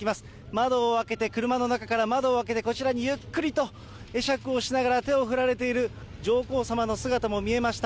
窓を開けて車の中から窓を開けて、こちらにゆっくりと会釈をしながら手を振られている上皇さまの姿も見えました。